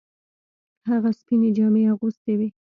هغه سپینې جامې اغوستې وې.